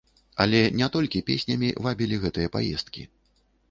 Але не толькі песнямі вабілі гэтыя паездкі.